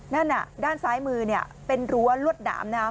นั่นอ่ะด้านซ้ายมือเนี่ยเป็นรั้วรวดด่ามน้ำ